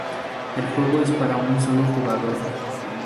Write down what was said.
El juego es para un sólo jugador.